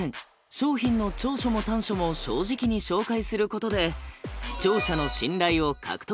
商品の長所も短所も正直に紹介することで視聴者の信頼を獲得。